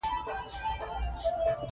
د قبلې خواته واقع و.